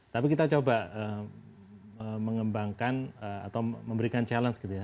tapi kita coba mengembangkan atau memberikan challenge gitu ya